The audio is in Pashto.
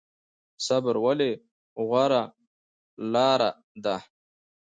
صبر ولې غوره لاره ده؟